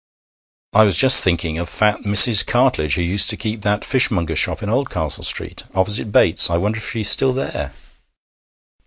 'I was just thinking, of fat Mrs. Cartledge, who used to keep that fishmonger's shop in Oldcastle Street, opposite Bates's. I wonder if she's still there?'